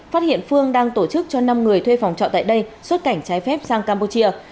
phát hiện phương đang tổ chức cho năm người thuê phòng trọ tại đây xuất cảnh trái phép sang campuchia